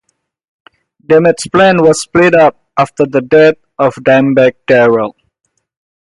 Damageplan was split up after the death of Dimebag Darrell.